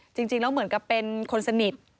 จริงแล้วเหมือนกับเป็นคนสนิท